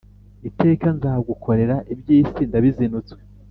Iteka nzagukorera iby’isi ndabizinutswe